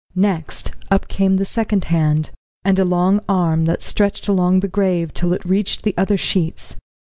Next, up came the second hand, and a long arm that stretched along the grave till it reached the other sheets.